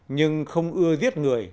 nhưng không ưa viết người